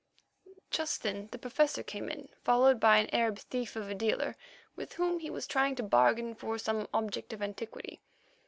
Just then the Professor came in, followed by an Arab thief of a dealer, with whom he was trying to bargain for some object of antiquity.